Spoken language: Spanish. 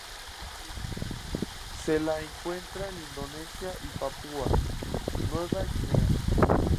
Se la encuentra en Indonesia y Papúa Nueva Guinea.